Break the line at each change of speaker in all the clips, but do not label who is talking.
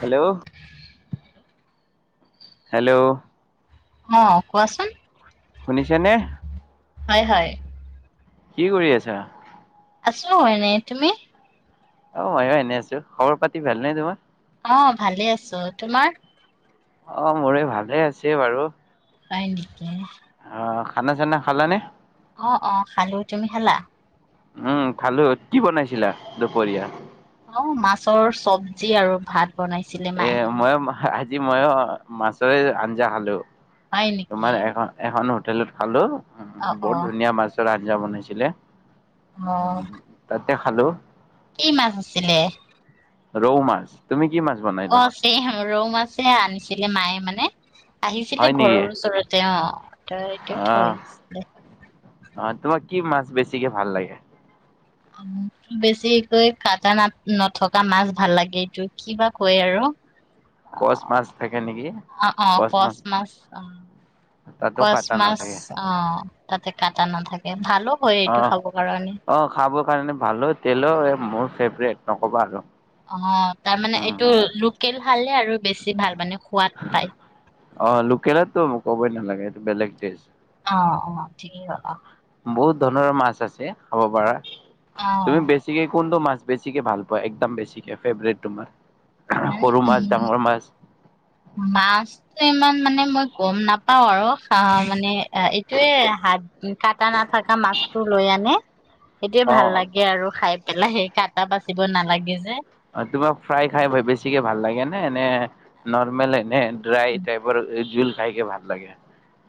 Hello hello
অ কোৱাচোন
শুনিছে নে?
হয় হয়।
কি কৰি আছা
আছো হয় নে তুমি
অ' ময়ো এনে আছো খবৰ পাতি ভাল নাই তোমাৰ?
অ' ভালে আছো। তোমাৰ?
অ' মোৰে ভালে আছে বাৰু।
আহ নকে [unintelligible]
অ খানা চানা খালানে?
অ-অ, খালো তুমি খা?
উম, ভালো কি বনাইছিলা দুপৰীয়া?
অ' মাছৰ চব্জি আৰু ভাত। বনাইছিলে
এ
মায়ে
ময়ো ময়ো মাছৰে আঞ্জা খালো।
হয়
তোমাৰ
নেকি?
এখন-এখনত হোলেত খালো। উ'
অ',
বহুত
অ',
ধুনীয়া মাছৰ আঞ্জা আঞ্জা বনাই ছিলে।
অহ,
তোকে খালো।
কি মাছ আছিলে
ৰৌ মাছ তুমি কি কি মাছ বনাইলা?
ৰৌম আনিছিলে মায়ে মানে, আহিছিলে
হয় নেকি?
ঘৰৰ ওচৰতে অ' ত এতিয়া
আহ
থৈ
অ' তোমাৰ কি মাছ বেছিকে ভাল লাগে?
বেছিকৈ কাটা না নথকা মাছ ভাল লাগে এইটো কি বা কয় আৰু?
কচ মাছ থাকে নেকি
অ-অ কচ মাছ অ'
তাতো
কচ
কাটা
মাছ
নাথাকে
অহ তাতে কাটা নাথাকে। ভালো হয় এইটো খাব কাৰণে
অ-অ, খাবৰ কাৰণে ভালো তেলৰ মোৰ ফেভৰেট। নক'বা আৰু,
অ' তাৰমানানে
উম,
এইটো লোকেল ভালে আৰু বেছি ভাল মানে সোৱাদ পায়।
অ', লোকেলতো ক'বই নালাগে এইটো বেলেগ টেইজ।
অহ অহ, ঠিকেই কয় অহ
বহুত ধৰণৰ মাছ আছে খাব পাৰা,
অ
তুমি বেছি কোনটো মাছ বেছিকে ভাল পোৱা একদম বেছিকে ফেভৰেট তোমাৰ। সৰু মাছ, ডাঙৰ মাছ,
মাছতো ইমান মানে মই গম নাপাওঁ আৰু মানে এইটোয়ে হাত কাটা নাথকা মাছটো লৈ আনে। সেইটোয়ে ভাল
অ',
লাগে আৰু খাই। পেলা সেই কাটা বাচিব নালাগে যে।
অ তোমাৰ ফ্ৰাই খাই বেছিকে ভাল লাগে নে নে নৰ্মেলে ড্ৰাই টাইপ জোল খাইকে ভাল লাগে।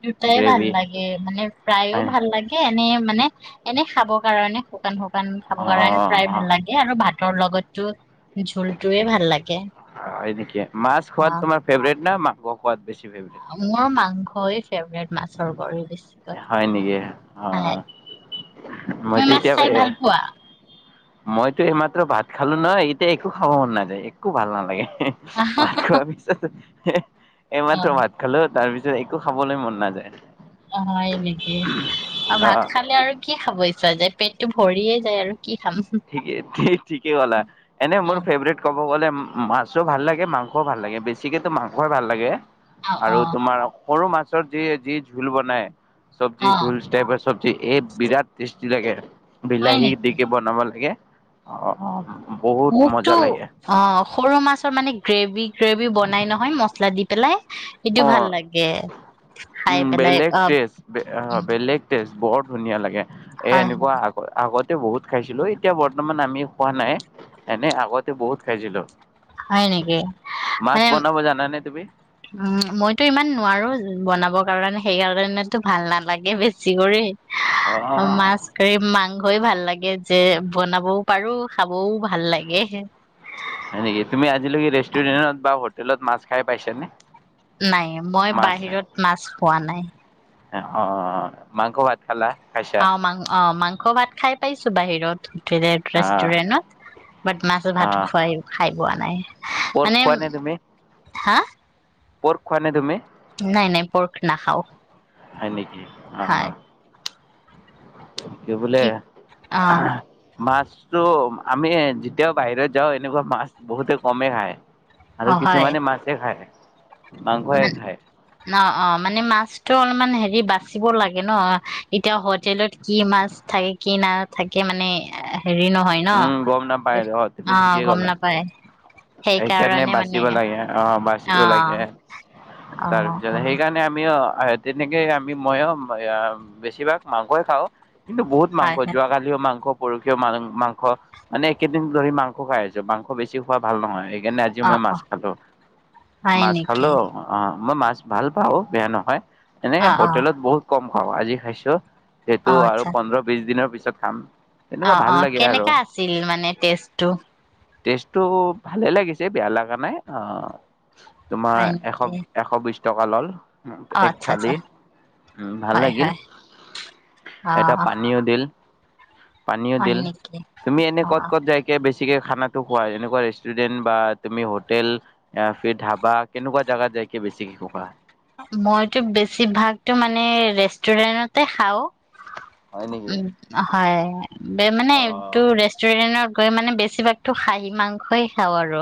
দুটাই ভাল
গ্ৰেভি
লাগে মানে প্ৰায়েও
অ',
ভাল লাগে এনে মানে এনে খাবৰ কাৰণে শুকান শুকান খাবৰ কাৰণে ফ্ৰাই
অ',
ভাল লাগে আৰু ভাত ভাতৰ লগত জুল জুলটোয়ে ভাল লাগে
হয় হয় নেকি মাছ
অ
খোৱাত তোমাৰ ফেভৰেট ন মাং মাংস খোৱাত বেছি ফেভৰেট?
মোৰ মাংস হয় ফেভৰিট মাছৰ
হয় নেকি?
বেছিকৈ
অ'
তুমি
মইতো
মাছ
এতিয়া
খাই ভাল পোৱা।
মইতো এইমাত্ৰ ভাত খালো নহয় এতিয়া একো খাব মন নাযায় একো ভাল নালাগে
অ
মক পিছত হ এইমাত্ৰ ভাত খালো তাৰ পি একো খাবলৈ মন নাযায়
অ হয় নেকি আৰু ভাত
অ'
খালে আৰু কি খাব ইচ্ছা যে পেটটো ভৰিয়ে যায় আৰু কি খাম
ঠিকেই ঠিকে গলা এনে
অ
মোৰ ফেভৰেট কব গ'লে। মাছো ভাল লাগে মাংসও ভাল লাগে বেছিকেতো মাংসই ভাল লাগে
অ অ
আৰু তোমাৰ। সৰু মাছৰ যি যি ঝোল বনায় চব্জি
অ
টাইপৰ চব্জি এই বিৰাট কি যাগে
হয়
বিলাহী
নেকি
দিকে বনাব। তাকে অ অ
মোকতো অ সৰু মাছৰ মানে গ্ৰেভি গ্ৰেভি বনাই নহয় মছলা দি পেলাই সেইটো
অ
ভাল লাগে খাই
উম
পেলাই
বেলেগ
অ
টেষ্ট বেলেগ টেষ্ট বৰ ধুনীয়া লাগে এ
হয়
এনেকুৱা আগ আগতে বহুত খাইছিলো এতিয়া বৰ্তমান আমি খোৱা নাই এনে আগতে বহুত খাইছিলো।
হয় নেকি
মাছ
মানে
বনাব জানানে তুমি
উম মইতো ইমান নোৱাৰো বনাব কাৰণে সেই কাৰণেতো ভাল নালাগে বেছি কৰি
অ
মাছ
হয়
কাৰি মাংস হৈ ভাল লাগে যে বনাবও পাৰো খাবও ভাল লাগে
হয় নেকি তুমি আজিলৈকে ৰেষ্টুৰেণ্টত বা হোটেলত মাছ খাই পাইছা নে
নাই মই বাহিৰত মাছ খোৱা নাই
অ মাংস ভাত খালা খাইছা
অ মাং অ মাংস ভাত খাই পাইছো বাহিৰত
অ',
ৰেষ্টুৰেণ্টত বাট মাছ ভাত
অ',
খুৱাই খাই পোৱা নাই
পৰ্ক
মানে।
খোৱা নে তুমি?
হা
পৰ্ক খোৱা নে তুমি
নাই, নাই। পৰ্ক নাখাও।
হয় নেকি? আহ কি বোলে
অ
মাছতো আমি যেতিয়াও বাহিৰত যাওঁ এনেকুৱা মাছ বহুতে কমে খায়। আৰু কিছুমানে মাছে খায়।
ম
মাংসই খায়।
অ অ মানে মাছ ত অলপমান হেৰি বাচিব লাগে ন? এতিয়া হোটেলত কি মাছ থাকে, কি নাথাকে মানে এ হেৰি নহয় ন।
উম, গম নাপায় তুমি
অ,
ঠিকেই
গম
ক'লা
নাপায়।
সেইকাৰণে বাচিব লাগে। অ, বাচিব
অ
লাগে।
অ
তাৰপিছত
অ
সেইকাৰণে আমি অ। হয়। তেনেকে আমি মইয়ো বেছিভাগ মাংসই খাওঁ। কিন্তু বহুত মাংস।
হয় হয়
যোৱা কালিয়ো মাংস পৰষীয়ো ম মাংস মানে একেদিন ধৰি মাংস খাই আছো। মাংস বেছি খোৱা ভাল নহয়। সেইকাৰণে আজি
অ
মই
অ
মাছ খালো।
হয়
মাছ
নেকি
খালো, অ মই মাছ ভাল পাওঁ, বেয়া নহয়।
অ
এনেকে
অ
হোটেলত বহুত কম খাওঁ, আজি খাইছো। সেইটো
অ
আৰু
আচ্ছা
পোন্ধৰ বিছ দিনৰ পিছত পিছত খাম। তেনেকুৱা
অ,
ভাল
অ।
লাগে আৰু
কেনেকা আছিল মানে টেষ্টটো?
টেষ্টটো ভালে লাগিছে। বেয়া লাগা নাই, অ তোমাৰ
হয়
এশ,
নেকি
এশ বিশ টকা লল
অ
এক
আচ্ছা আচ্ছা
থালি। উ ভাল
হয়
লাগিল।
হয় অ
এটা পানীও দিল পানীও
হয়
দিল।
নেকি
তুমি এনে
অ অ
ক'ত-ক'ত যাইকে বেছি ঠিকে খানাটো খোৱা এনেকুৱা ৰেষ্টুৰেণ্ট বা তুমি হোটেল অ ফিৰ ধাবা কেনেকুৱা জাগাত যাইকে বেছিকে কবা?
মইতো বেছিভাগতো মানে ৰেষ্টুৰেন্টতে খাও।
হয় নেকি?
হয়। বে মানে
অ
এই তটো ৰেষ্টুৰেণ্টত কৈ মানে বেছিভাগতো খাঁহী মাংসই খাওঁ আৰু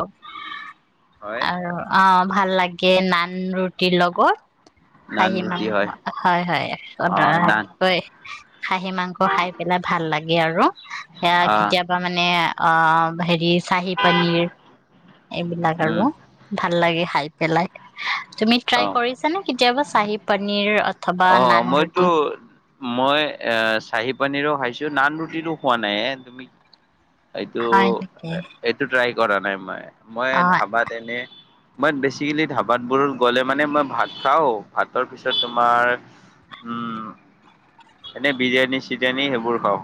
হয়
আৰু অ ভাল লাগে নান ৰুটিৰ লগত
নান
খাঁহী
ৰুটি
মাংস
হয়
হয় হয় অ ড্ৰীকে থাকিব খাহী মাংস খাই পেলাই ভাল লাগে আৰু এয়া
অ
কেতিয়াবা মানে অ হেৰি চাহি পানীৰ এইবিলাক আৰু
উম
ভাল লাগে খাই পেলাই তুমি
অ
ট্ৰাই কৰিছা নে কেতিয়াবা চাহি পনীৰ অথবা
অ
নান ৰুটি
মইতো মই এ চাহি পানীৰেও খাইছো নান ৰুটিতটো খোৱা নাই এ তুমি এইটো
হয় নেকি?
এইটো ট্ৰাই কৰা নাই মই মই
অ',
ধাবাত এনে মই বেচিকেলি ধাবাত বোৰ গ'লে মানে মই ভাত খাওঁ ভাতৰ পিছত তোমাৰ উম এনে বিৰিয়ানী-চিৰিয়ানী সেইবোৰ খাওঁ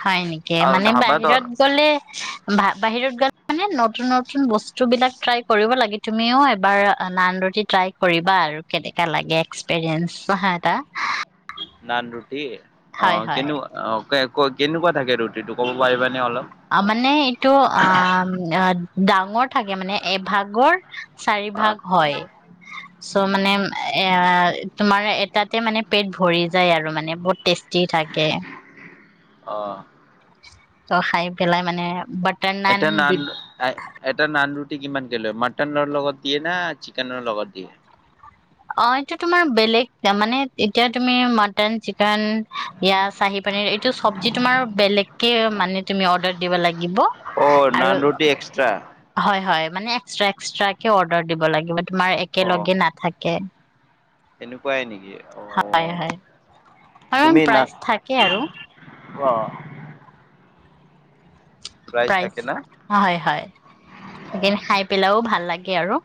হয় নেকি
আৰু
মানে
ধাবাত
বাহিৰত গলে বাহিৰত গলে মানে নতুন নতুন বস্তু বিলাক ট্ৰাই কৰিব লাগে তুমিও এবাৰ নানৰুটি ট্ৰাই কৰিবা আৰু কেনেকা লাগে এক্সপেৰিয়েঞ্চ হোৱা এটা
নানৰুটি কে অ
হয় হয়
কেনেকোৱা অ ক ক কেনেকুৱা থাকে ৰুটিটো ক'ব পাৰিবা
আ মানে ইটো আ ডাঙৰ থাকে মানে এভাগৰ চাৰি
অ
ভাগ হয় ত' মানে এ তোমাৰ এটাতে মানে পেট ভৰি যায় আৰু মানে বহুত টেষ্টি থাকে
অঁ
ত খাই পেলাই মানে বাটাৰ
এটায়া নান
দিব
এটা নান কিমানক লৈ মাটনৰ লগত দিয়ে না চিকেনৰ লগত দিয়ে
অ এইটো তোমাৰ বেলেগ মানে এতিয়া তুমি মটন, চিকেন চাহি পনীৰ এইটো চবজি তোমাৰ বেলেকে মানে তুমি অৰ্ডাৰ দিব লাগিব
অ নান
আৰু
ৰুটি এক্সট্ৰা
মানে এক্সট্ৰা এক্সট্ৰা কে অৰ্ডাৰ দিব লাগিব তোমাৰ একেলগে নাথাকে
তেনেকুৱাই নেকি অ
হয় হয় কাৰণ প্ৰাইজ থাকে আৰু।
অ।
প্ৰ হয় হয় সেইখিনি খাই পেলাইও ভাল লাগে। আৰু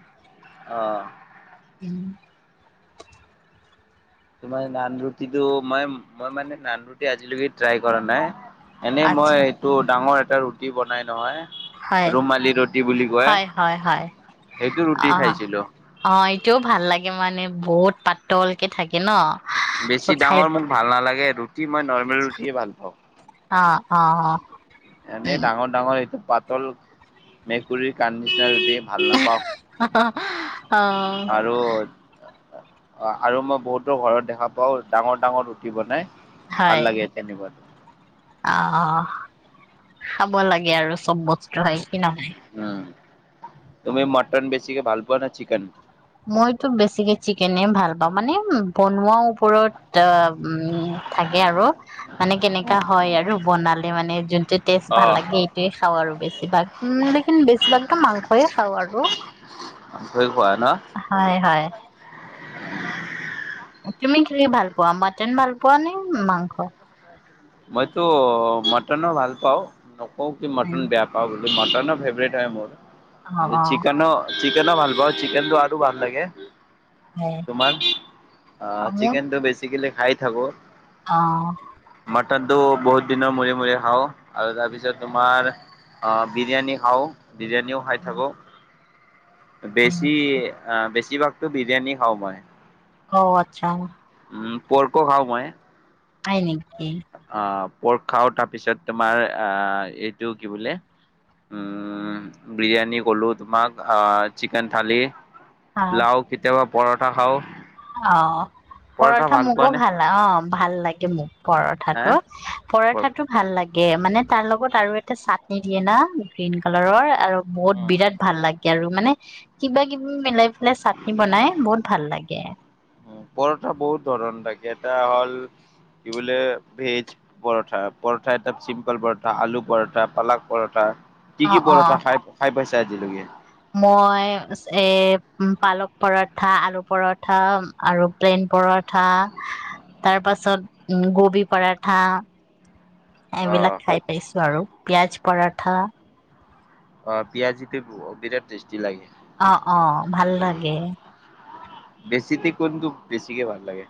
অহ।
[inaudible]
তোমাৰ নান ৰুটিটো মই মই মানে নান ৰুটি আজিলৈকে ট্ৰাই কৰা নাই। এনে মই
আচ্ছা
এইটো ডাঙৰ এ ৰুটি বনাই নহয়
হয়
ৰুমালী ৰুটি বুলি কয়
হয় হয় হয়
সেইটো ৰুটি
অ
খাইছিলো
অ এইটোও ভাল লাগে মানে। বহুত পাতলকে থাকে ন?
বেছি
চ খাই
ডাঙৰ মোক ভাল নালাগে। ৰুটি মই নৰ্মেল ৰুটিয়ে ভাল পাওঁ।
অ অ অ
এনে
উম।
ডাঙৰ ডাঙৰ এইটো পাতল মেকুৰীৰ কণ্ডিচনাৰ
[unintelligible] অ অ
অ আৰু মই বহুতো ঘৰত দেখা পাও ডাঙৰ ডাঙৰ ৰুটি বনাই
হয়।
ভাল লাগে তেনে [unintelligible]
অ খাব লাগে আৰু চব বস্তু হয়। কি নহয়।
উম তুমি মটন বেছি চিকে ভাল পোৱা নে চিকেন?
মইতো বেছিকে চিকেনে ভাল পাওঁ। মানে বনোৱাৰ ওপৰত ত উ থাকে আৰু। মানে কেনেকা হয় আৰু বনালে মানে যোনটো টেষ্ট ভাল
অহ
লাগে সেইটোৱে খাওঁ আৰু বেছিভাগ। লেকিন বেছিভাগ মাংসয়ে খাওঁ আৰু।
ভয় খোৱা ন
হয়। তুমি কি ভাল পোৱা মটন ভাল পোৱা নে মাংস?
মইতো মটনো ভাল পাওঁ। অকে
হয়
মটন
ন?
বেয়া পাব [inaudible] আৰু মটন ফেভৰেট হয়
অ',
মোৰ।
অ',
চিকনো চিকেন ভাল পাওঁ চিকেন টো আৰু ভাল লাগে।
হয়
তোমাৰ
মোৰ
চিকেন টো বেচিকেলী খাই থাকো।
অ।
মাটনটো বহুত দিনৰ মূৰে মূৰে খাওঁ। আৰু তাৰপিছত তোমাৰ বিৰিয়ানী খাওঁ, বিৰিয়ানীও খাই থাকোঁ। বেছি আ বেছি ভাগ বিৰিয়ানী খাওঁ মই।
অ আচ্ছা
উ পৰ্ক খাও মই
হয় নেকি
পৰ্ক খাওঁ তাৰপিছত তোমাৰ এইটো কি বোলে বিৰিয়ানী ক'লোঁ তোমাক চিকেন থালি
অ',
লও কেতিয়া ব পৰঠা খাওঁ
অ পৰঠা মোকো ভাল অ ভাল লাগে মোৰ পৰঠা
হা
পৰঠা
উম,
তো ভাল লাগে মানে তাৰ লগত আৰু এটা চ নিদিয়ে না গ্ৰীণ কালাৰৰ আৰু বহুত বিৰাট ভাল লাগে আৰু মানে কিবা কিবি মিলাই চাটনি বনাই বহুত ভাল লাগে
পৰঠা বহুত ধৰণ থাকে এটা হ'ল কি বোলে ভেজ পৰঠা পৰঠা এটা চিম্পল পৰঠা আলু পৰঠা পালাক পৰঠা কি
অ
কি
অ
পৰথা খাই জয় জুলকে
মই এ পালক পৰঠা আলু পৰঠা আৰু প্লেইন পৰঠা তাৰ পাছত গোবি পৰঠা
অ',
এইবিলাক খাই পাইছো আৰু পিয়াজ পঠা
অ পিয়াজিটো বিৰাট টেষ্টি লাগে
অ অ ভাল লাগে
বেছিতে কোনতো বেছিকে ভাল লাগে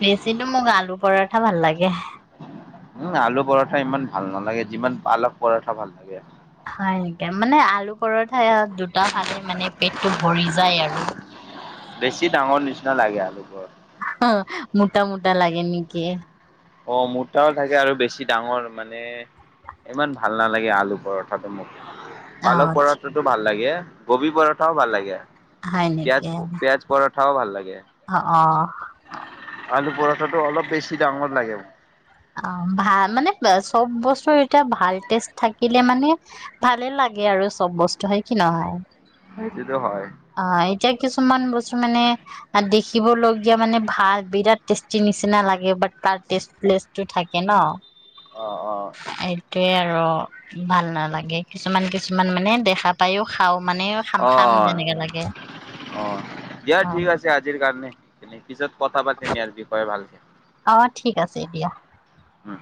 বেছিতো মোক আলু পৰঠা ভাল লাগে
উম আলু পৰঠা ইমান ভাল নালাগে যিমান পালক পৰঠা ভাল লাগে
হয় নেকে মানে আলু পৰৰঠাই দুটা ফালে মানে পেটটো ভৰি যায় আৰু
বেছি ডাঙৰ নিচিনা লাগে আলুপৰত
মোটা মোটা লাগে নেকি
অঁ মটাও থাকে আৰু বেছি ডাঙৰ মানে ইমান ভাল নালাগে আলুবোৰ পৰথা
অ
আলু পটোতো ভাল লাগে গবি পৰঠাও ভাল লাগে
হয় নেকি
পিয়াজ পিয়াজ পৰঠাও ভাল লাগে
অ অ
আলু পৰঠাটো অলপ বেছি ডাঙৰ লাগে
অঁ ভাল মানে চব বস্তু এতিয়া ভাল টেষ্ট থাকিলে মানে ভালে লাগে আৰু চব বস্তু হয় কি নহয়
সেই তো হয়।
অঁ এতিয়া কিছুমান বস্তু মানে দেখিবলগীয়া মানে ভাল বিৰাট টেষ্টি নিচিনা লাগে বাট তাৰ ষ্টটো থাকে ন
অঁ অঁ
এইটোৱে আৰু ভাল নালাগে কিছুমান কিছুমান মানে দেখা ত উপায়ো খাওঁ মানে খাম খাম।
অঁ
যেনেকে লাগে
অঁ দিয়া ঠিক
অ',
আছে আজিৰ কাৰণে তেনে। পিছত কথা পাতিম ইয়াৰ বিষয়ে ভালকে।
অঁ ঠিক আছে দিয়া।
উম